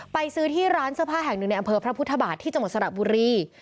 ไปซื้อที่ร้านเสื้อผ้าแห่งหนึ่งในอำเภอพระพุทธบาทที่จังหวัดสระบุรี